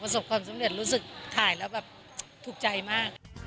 ความสำเร็จรู้สึกถ่ายแล้วแบบถูกใจมาก